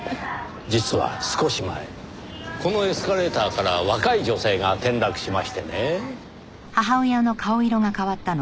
実は少し前このエスカレーターから若い女性が転落しましてねぇ。